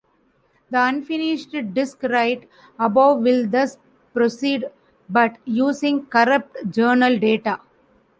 The unfinished disk write above will thus proceed, but using corrupt journal data.